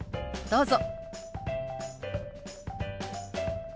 どうぞ。